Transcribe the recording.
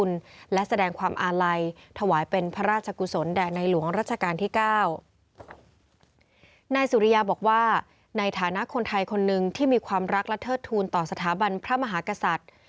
นายสุริยาบอกว่าในฐานะคนไทยคนหนึ่งที่มีความรักและเทิดทูลต่อสถาบันพระมหากษัตริย์